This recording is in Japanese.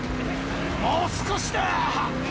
もう少しだ！